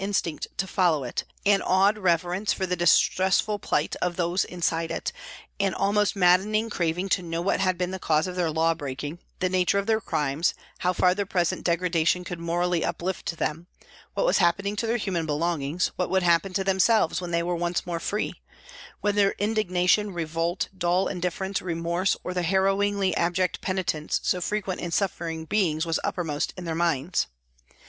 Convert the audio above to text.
instinct to follow it, an awed reverence for the distressful plight of those inside it, an almost maddening craving to know what had been the cause of their law breaking, the nature of their crimes, how far their present degradation could morally uplift them, what was happening to their human belongings, what would happen to them selves when they were once more free, whether indignation, revolt, dull indifference, remorse, or the harrowingly abject penitence so frequent in suffering beings was uppermost in their minds.